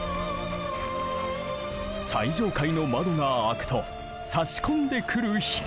最上階の窓が開くとさし込んでくる光。